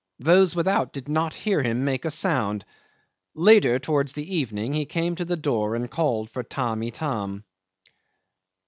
Those without did not hear him make a sound. Later, towards the evening, he came to the door and called for Tamb' Itam.